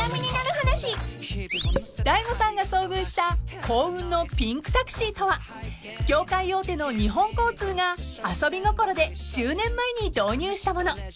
［大悟さんが遭遇した幸運のピンクタクシーとは業界大手の日本交通が遊び心で１０年前に導入したもの］